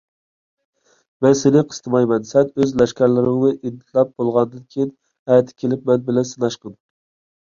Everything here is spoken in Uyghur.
مەن سېنى قىستىمايمەن. سەن ئۆز لەشكەرلىرىڭنى ئېدىتلاپ بولغاندىن كېيىن، ئەتە كېلىپ مەن بىلەن سىناشقىن.